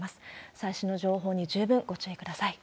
最新の情報に十分ご注意ください。